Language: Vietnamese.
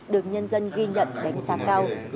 được nhân dân ghi nhận đánh xa cao